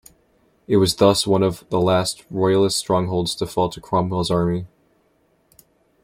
It was thus one of the last Royalist strongholds to fall to Cromwell's army.